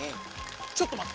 ちょっとまって！